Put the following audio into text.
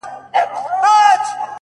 وه ه ژوند به يې تياره نه وي’